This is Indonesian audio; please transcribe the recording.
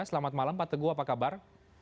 selamat malam pak teguh apa kabar